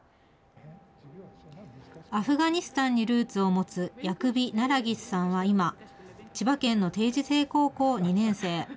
アフガニスタンにルーツを持つ、ヤクビ・ナラギスさんは今、千葉県の定時制高校２年生。